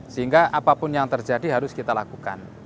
sehingga apapun yang terjadi harus kita lakukan